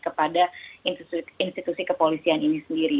kepada institusi kepolisian ini sendiri